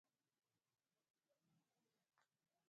تاخچې یې کوچنۍ وې.